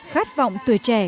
khát vọng tuổi trẻ